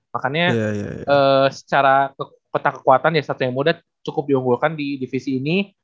makanya secara peta kekuatan ya satu yang muda cukup diunggulkan di divisi ini